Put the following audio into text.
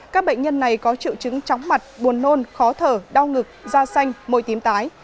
các bệnh nhân này có triệu chứng chóng mặt buồn nôn khó thở đau ngực da xanh môi tím tái